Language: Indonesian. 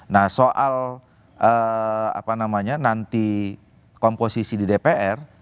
nah soal nanti komposisi di dpr